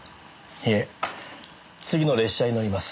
いえ次の列車に乗ります。